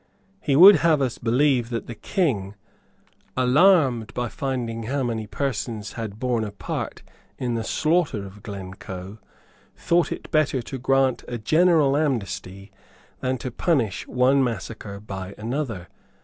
He would have us believe that the King, alarmed by finding how many persons had borne a part in the slaughter of Glencoe, thought it better to grant a general amnesty than to punish one massacre by another.